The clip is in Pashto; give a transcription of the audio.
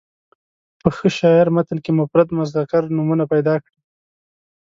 په ښه شاعر متن کې مفرد مذکر نومونه پیدا کړي.